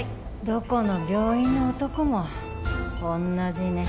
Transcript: どこの病院の男も同じね。